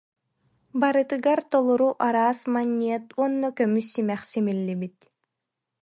Барытыгар толору араас манньыат уонна көмүс симэх симиллибит